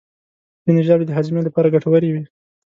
ځینې ژاولې د هاضمې لپاره ګټورې وي.